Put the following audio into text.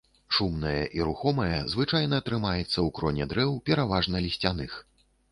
Шумная і рухомая, звычайна трымаецца ў кроне дрэў, пераважна лісцяных.